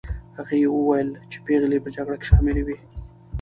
هغوی وویل چې پېغلې په جګړه کې شاملي وې.